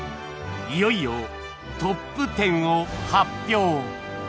いよいよトップ１０を発表